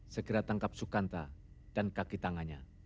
segera tangkap sukanta dan kakitangannya